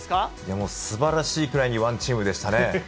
もう、すばらしいくらいにワンチームでしたね。